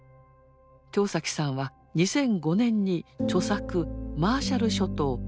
豊さんは２００５年に著作「マーシャル諸島核の世紀」を出版。